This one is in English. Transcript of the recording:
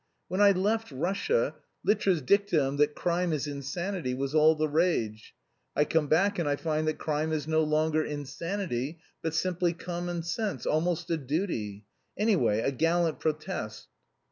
When I left Russia, Littre's dictum that crime is insanity was all the rage; I come back and I find that crime is no longer insanity, but simply common sense, almost a duty; anyway, a gallant protest.